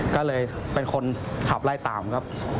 ก็เลยเป็นคนขับไล่ตามครับ